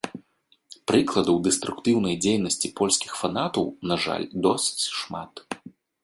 Прыкладаў дэструктыўнай дзейнасці польскіх фанатаў, на жаль, досыць шмат.